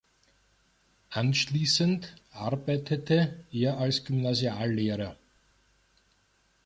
Anschließend arbeitete er als Gymnasiallehrer.